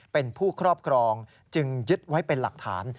เป็นผู้ครอบครองจึงยึดไว้เป็นหลักฐาน